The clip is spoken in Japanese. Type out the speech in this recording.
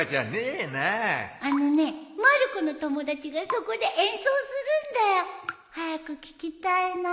あのねまる子の友達がそこで演奏するんだよ。早く聴きたいな。